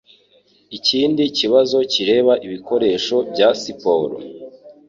Ikindi kibazo kireba ibikoresho bya siporo.